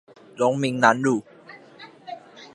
榮民南路